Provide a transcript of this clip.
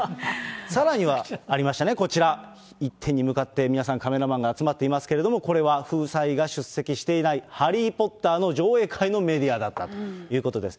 さらにはありましたね、こちら、一点に向かって皆さん、カメラマンが集まっていますけれども、これは夫妻が出席していない、ハリー・ポッターの上映会のメディアだったということです。